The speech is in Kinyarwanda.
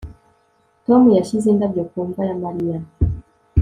Tom yashyize indabyo ku mva ya Mariya